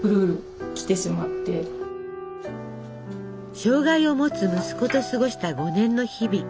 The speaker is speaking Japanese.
障害を持つ息子と過ごした５年の日々。